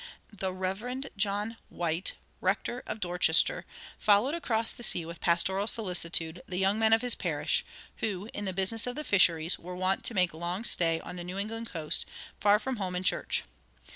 The Rev. John White, rector of Dorchester, followed across the sea with pastoral solicitude the young men of his parish, who, in the business of the fisheries, were wont to make long stay on the New England coast, far from home and church.